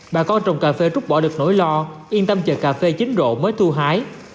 bà con trồng cà phê rút bỏ được nỗi lo yên tâm chờ cà phê chín độ mới thu hái